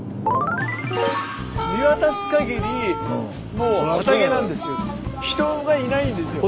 見渡すかぎりもう畑なんですよ。